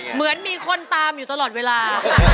เหมือนมีคนตามอยู่ตลอดเวลา